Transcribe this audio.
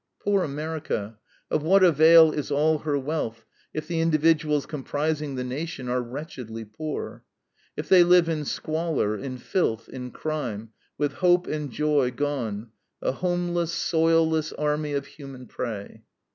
Poor America, of what avail is all her wealth, if the individuals comprising the nation are wretchedly poor? If they live in squalor, in filth, in crime, with hope and joy gone, a homeless, soilless army of human prey.